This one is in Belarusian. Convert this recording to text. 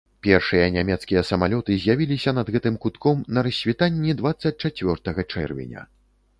Першыя нямецкія самалёты з'явіліся над гэтым кутком на рассвітанні дваццаць чацвёртага чэрвеня.